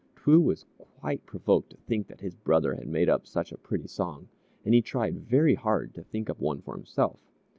_" T'woo was quite provoked to think that his brother had made up such a pretty song, and he tried very hard to think up one for himself.